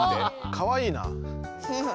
かわいいな。